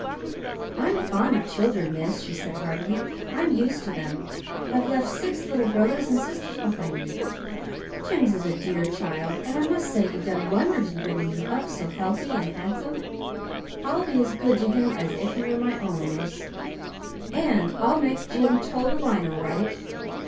"I'm fond of children, miss," she said heartily. "I'm used to them I've left six little brothers and sisters behind me. Jims is a dear child and I must say you've done wonders in bringing him up so healthy and handsome. I'll be as good to him as if he was my own, miss. And I'll make Jim toe the line all right.